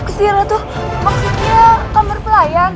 gusti ratu maksudnya kamar pelayan